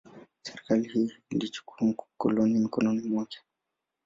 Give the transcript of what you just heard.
Serikali ilichukua koloni mikononi mwake.